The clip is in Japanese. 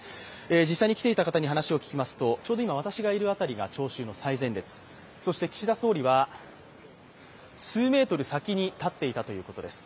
実際に来ていた方に話を聞きますと、ちょうど今、私がいる辺りが聴衆の最前列、そして岸田総理は、数ｍ先に立っていたということです。